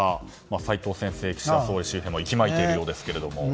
齋藤先生、岸田総理周辺は息巻いているようですけれども。